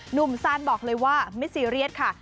ซานบอกเลยว่าไม่ซีเรียสค่ะ